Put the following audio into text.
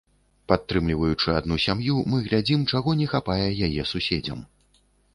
Падтрымліваючы адну сям'ю, мы глядзім, чаго не хапае яе суседзям.